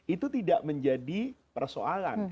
itu tidak menjadi persoalan